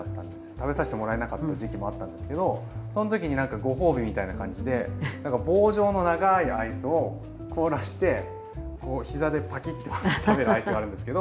食べさせてもらえなかった時期もあったんですけどその時になんかご褒美みたいな感じで棒状の長いアイスを凍らして膝でパキッて割って食べるアイスがあるんですけど。